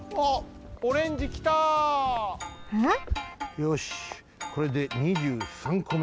よしこれで２３こめ。